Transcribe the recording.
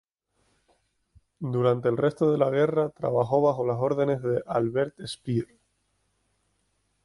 Durante el resto de la guerra, trabajó bajo las órdenes de Albert Speer.